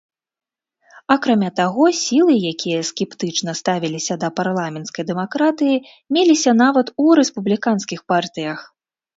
Акрамя таго сілы, якія скептычна ставіліся да парламенцкай дэмакратыі, меліся нават у рэспубліканскіх партыях.